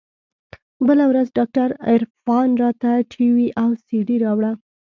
بله ورځ ډاکتر عرفان راته ټي وي او سي ډي راوړه.